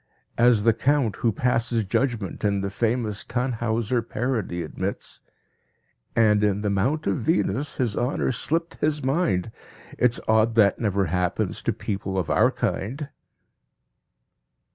As the count who passes judgment in the famous Tannhauser parody admits: "And in the mount of Venus, his honor slipped his mind, It's odd that never happens to people of our kind."